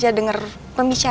jangan ke jendela saya